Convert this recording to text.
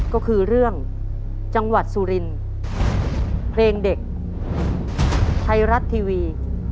ก็คือเรื่องจังหวัดสุรินทร์เพลงเด็กไทยรัฐทีวี